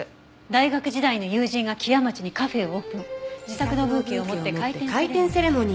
「大学時代の友人が木屋町にカフェをオープン」「自作のブーケを持って開店セレモニーへ」